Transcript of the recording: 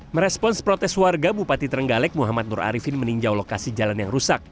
merespons protes warga bupati trenggalek muhammad nur arifin meninjau lokasi jalan yang rusak